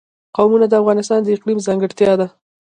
قومونه د افغانستان د اقلیم ځانګړتیا ده.